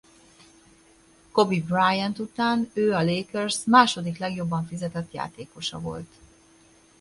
Kobe Bryant után ő a Lakers második legjobban fizetett játékosa volt.